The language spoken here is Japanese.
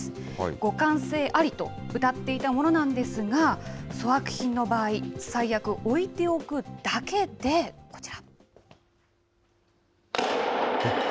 互換性ありとうたっていたものなんですが、粗悪品の場合、最悪、置いておくだけで、こちら。